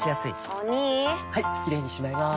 お兄はいキレイにしまいます！